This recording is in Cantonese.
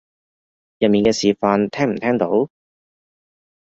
入面嘅示範聽唔聽到？